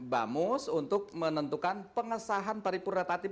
bamus untuk menentukan pengesahan paripurna tatib